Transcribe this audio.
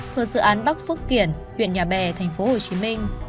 thuộc sự án bắc phước kiển huyện nhà bè tp hcm